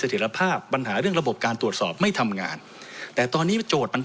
ถิตภาพปัญหาเรื่องระบบการตรวจสอบไม่ทำงานแต่ตอนนี้โจทย์มัน